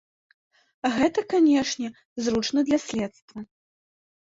Гэта, канешне, зручна для следства.